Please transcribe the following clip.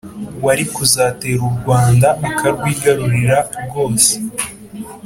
warikuzatera Urwanda akarwigarurira rwose